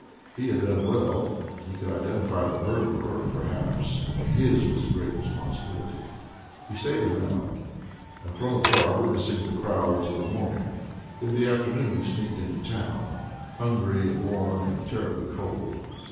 He had done well; he could identify the murderer perhaps; his was a great responsibility. He stayed around, and from afar witnessed the crowds of the morning. In the afternoon he sneaked into town, hungry and worn and terribly cold.